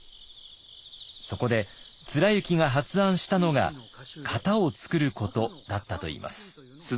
そこで貫之が発案したのが型を創ることだったといいます。